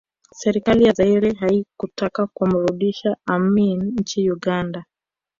Serikali ya Zaire haikutaka kumrudisha Amin nchini Uganda